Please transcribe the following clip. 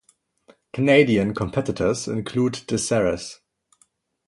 Canadian competitors include DeSerres.